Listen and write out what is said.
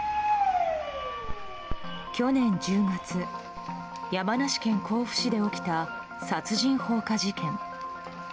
去年１０月、山梨県甲府市で起きた殺人放火事件。